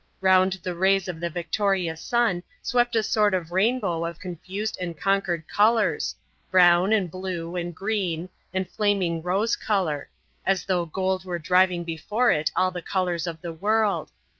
Round the rays of the victorious sun swept a sort of rainbow of confused and conquered colours brown and blue and green and flaming rose colour; as though gold were driving before it all the colours of the world.